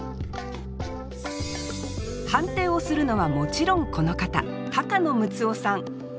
判定をするのはもちろんこの方高野ムツオさん